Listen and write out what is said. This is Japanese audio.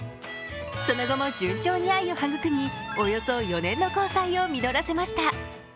その後も順調に愛をはぐくみおよそ４年の交際を実らせました。